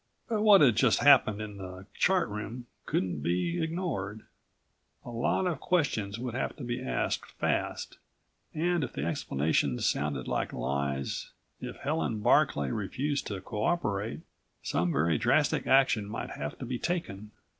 But what had just happened in the Chart Room couldn't be ignored. A lot of questions would have to be asked fast, and if the explanations sounded like lies, if Helen Barclay refused to cooperate, some very drastic action might have to be taken.